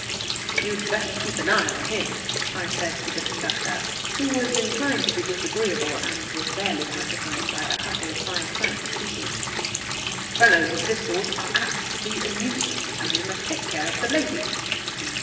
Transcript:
"You'd better keep an eye on him," I said to the conductor, who was inclined to be disagreeable, and was barely pacified by a couple of five franc pieces. "Fellows of this sort are apt to be a nuisance, and we must take care of the ladies."